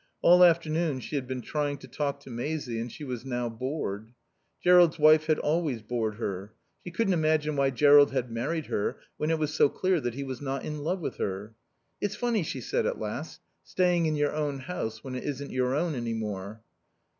All afternoon she had been trying to talk to Maisie, and she was now bored. Jerrold's wife had always bored her. She couldn't imagine why Jerrold had married her when it was so clear that he was not in love with her. "It's funny," she said at last, "staying in your own house when it isn't your own any more."